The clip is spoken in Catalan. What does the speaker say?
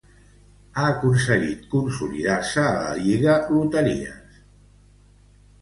Ha aconseguit consolidar-se a la Liga Loterías.